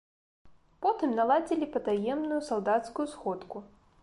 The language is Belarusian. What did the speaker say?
Потым наладзілі патаемную салдацкую сходку.